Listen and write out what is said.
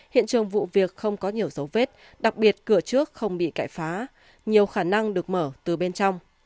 hiện trường vụ việc không có nhiều dấu vết đặc biệt cửa trước không bị cải phá nhiều khả năng được mở từ bên trong